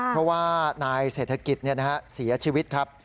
เพราะว่านายเศรษฐกิจเสียชีวิตครับ